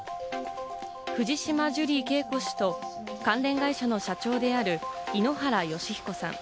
藤島ジュリー景子氏と関連会社の社長である井ノ原快彦さん。